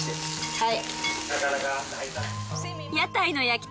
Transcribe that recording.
はい。